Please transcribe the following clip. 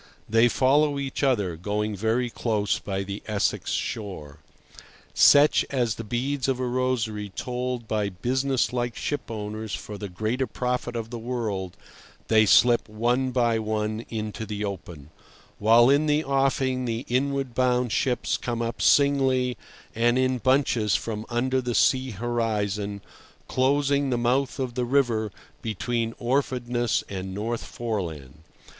They follow each other, going very close by the Essex shore. Such as the beads of a rosary told by business like shipowners for the greater profit of the world they slip one by one into the open: while in the offing the inward bound ships come up singly and in bunches from under the sea horizon closing the mouth of the river between Orfordness and North Foreland.